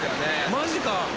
マジか？